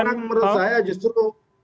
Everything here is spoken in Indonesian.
justru sekarang menurut saya justru